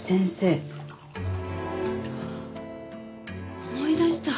あ思い出した！